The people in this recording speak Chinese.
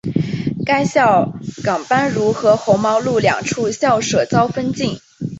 该校甘榜汝和红毛路两处校舍遭封禁。